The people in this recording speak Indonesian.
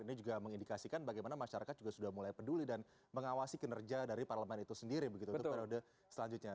ini juga mengindikasikan bagaimana masyarakat juga sudah mulai peduli dan mengawasi kinerja dari parlemen itu sendiri begitu untuk periode selanjutnya